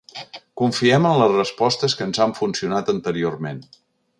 Confiem en les respostes que ens han funcionat anteriorment.